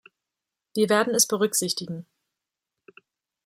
Wir werden es berücksichtigen.